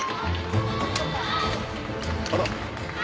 あらっ！